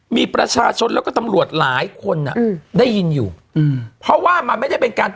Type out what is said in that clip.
มีประชาชนแล้วก็ตำรวจหลายคนอ่ะอืมได้ยินอยู่อืมเพราะว่ามันไม่ได้เป็นการ